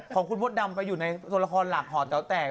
ของคุณพจน์อนนท์ดำไปอยู่ในส่วนละครหลักหอแต๋วแตก